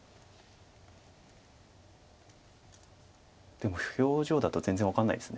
でも表情だと全然分かんないです。